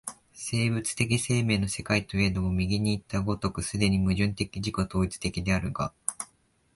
生物的生命の世界といえども、右にいった如く既に矛盾的自己同一的であるが、